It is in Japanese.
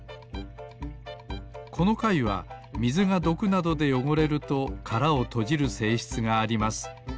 このかいはみずがどくなどでよごれるとからをとじるせいしつがあります。